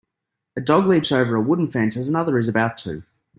A dog leaps over a wooden fence as another is about to.